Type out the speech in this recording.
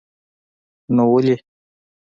نو ولې.